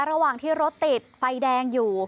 ระหว่างที่รถติดไฟแดงอยู่